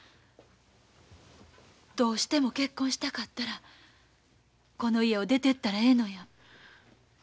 どうしても結婚したかったらこの家を出てったらええのや。